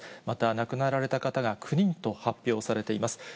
また亡くなられた方が９人と発表されています。